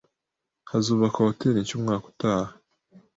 Hazubakwa hoteri nshya umwaka utaha.